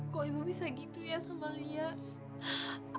kok ibu bisa gitu ya sama lia